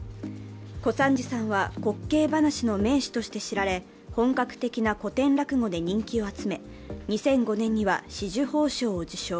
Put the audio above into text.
小三治さんは滑稽話の名手として知られ、本格的な古典落語で人気を集め２００５年には紫綬褒章を受章。